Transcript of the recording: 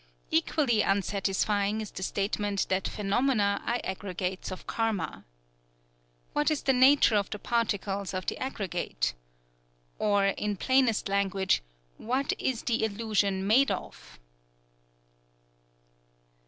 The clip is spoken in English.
Equally unsatisfying is the statement that phenomena are aggregates of Karma. What is the nature of the particles of the aggregate? Or, in plainest language, what is the illusion made of?